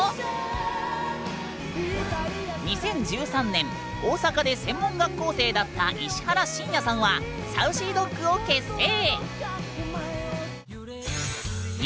２０１３年大阪で専門学校生だった石原慎也さんはＳａｕｃｙＤｏｇを結成。